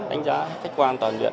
đánh giá khách quan toàn diện